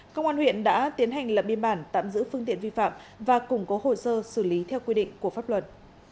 công an huyện đã tiến hành lập biên bản tạm giữ phương tiện vi phạm và củng cố hồ sơ xử lý theo quy định của pháp luật